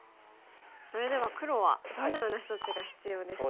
それでは黒はどのような処置が必要ですか？